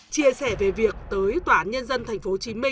chia sẻ về việc tới tòa án nhân dân tp hcm